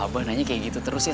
abang nanya kayak gitu terus ya